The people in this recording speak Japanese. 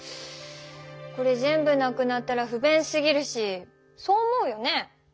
これ全部なくなったらふべんすぎるしそう思うよね？